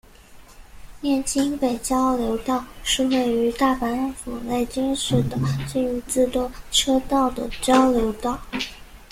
摄津北交流道是位于大阪府摄津市的近畿自动车道之交流道。